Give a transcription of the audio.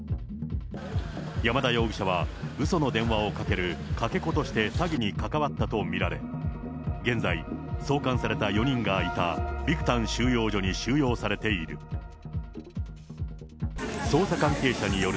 山田容疑者はうその電話をかけるかけ子として詐欺に関わったと見られ、現在、送還された４人がいた、ビクタン収容所に収容されている。